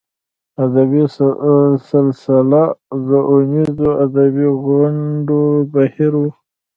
ادبي سلسله د اوونیزو ادبي غونډو بهیر و.